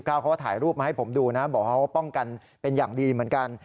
เขาก็ถ่ายรูปมาให้ผมดูนะบอกเขาป้องกันเป็นอย่างดีเหมือนกัน